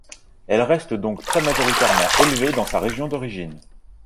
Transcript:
Elle reste donc très majoritairement élevée dans sa région d'origine.